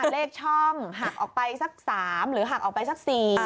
เลขช่องหักออกไปสัก๓หรือหักออกไปสัก๔